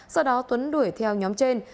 sau đó tuấn đuổi theo nhóm trên